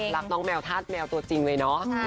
รักน้องแมวธาตุแมวตัวจริงเลยเนาะ